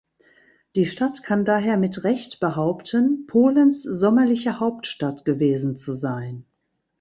Die Stadt kann daher mit Recht behaupten, Polens sommerliche Hauptstadt gewesen zu sein.